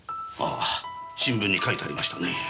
ああ新聞に書いてありましたね。